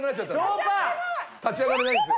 立ち上がれないんですよ。